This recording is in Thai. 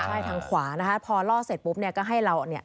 ใช่ทางขวานะคะพอล่อเสร็จปุ๊บเนี่ยก็ให้เราเนี่ย